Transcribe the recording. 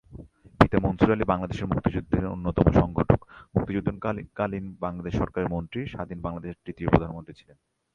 পিতা মনসুর আলী বাংলাদেশের মুক্তিযুদ্ধের অন্যতম সংগঠক, মুক্তিযুদ্ধকালীন বাংলাদেশ সরকারের মন্ত্রী, স্বাধীন বাংলাদেশের তৃতীয় প্রধানমন্ত্রী ছিলেন।